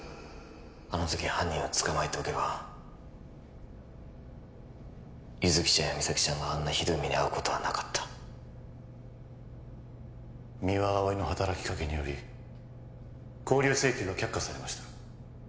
あの時犯人を捕まえておけば優月ちゃんや実咲ちゃんがあんなひどい目にあうことはなかった三輪碧の働きかけにより勾留請求が却下されました